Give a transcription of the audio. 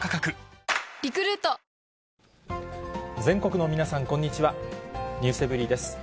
１全国の皆さん、こんにちは。